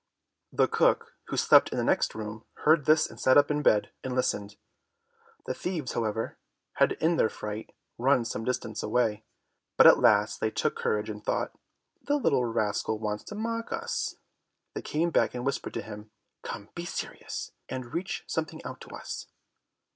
The cook, who slept in the next room, heard this and sat up in bed, and listened. The thieves, however, had in their fright run some distance away, but at last they took courage, and thought, "The little rascal wants to mock us." They came back and whispered to him, "Come, be serious, and reach something out to us."